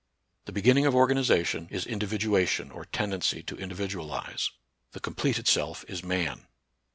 The beginning of organization is indi viduation or tendency to individualize. The completed self is man.